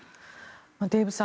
デーブさん